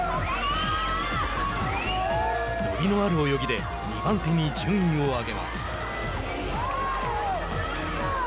伸びのある泳ぎで２番手に順位を上げます。